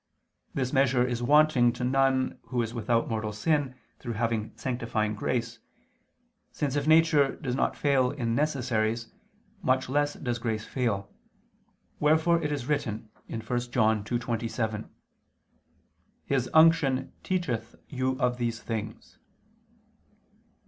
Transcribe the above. This measure is wanting to none who is without mortal sin through having sanctifying grace, since if nature does not fail in necessaries, much less does grace fail: wherefore it is written (1 John 2:27): "(His) unction teacheth you of all things."